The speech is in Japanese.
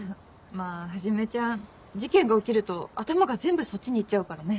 まぁはじめちゃん事件が起きると頭が全部そっちに行っちゃうからね。